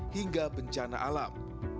hingga bencana alam